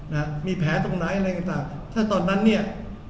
นะมีแผลตรงไหนอะไรต่างต่างถ้าตอนนั้นเนี่ย